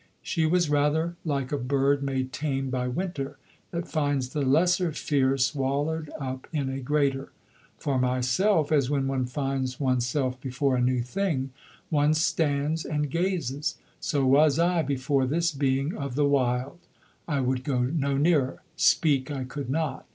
She was, rather, like a bird made tame by winter, that finds the lesser fear swallowed up in a greater. For myself, as when one finds one's self before a new thing, one stands and gazes, so was I before this being of the wild. I would go no nearer, speak I could not.